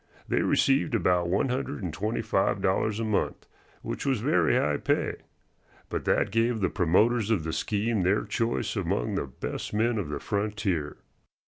They received about one hundred and twenty five dollars a month, which was very high pay. But that gave the promoters of the scheme their choice among the best men of the frontier.